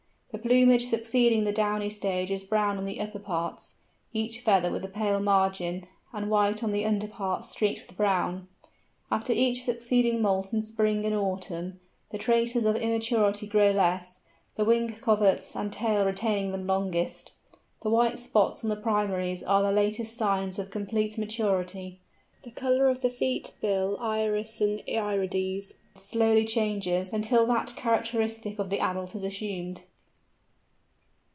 The plumage succeeding the downy stage is brown on the upper parts, each feather with a pale margin, and white on the under parts streaked with brown. After each succeeding moult in spring and autumn, the traces of immaturity grow less, the wing coverts and tail retaining them longest. The white spots on the primaries are the latest signs of complete maturity. The colour of the feet, bill, iris, and irides, slowly changes until that characteristic of the adult is assumed.